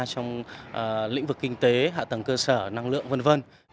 trong lĩnh vực kinh tế hạ tầng cơ sở năng lượng v v